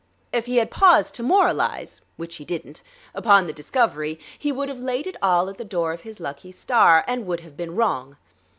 If he had paused to moralize which he didn't upon the discovery, he would have laid it all at the door of his lucky star; and would have been wrong.